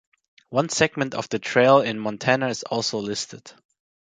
One segment of the trail in Montana is also listed.